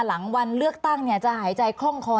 หลังวันเลือกตั้งจะหายใจคล่องคอ